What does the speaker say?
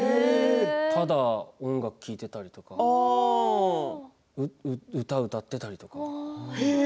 ただ音楽を聴いていたりとか歌を歌っていたりとか。